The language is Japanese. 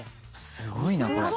すごいなこれ。